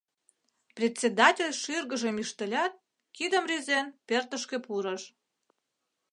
Председатель шӱргыжым ӱштылят, кидым рӱзен, пӧртышкӧ пурыш.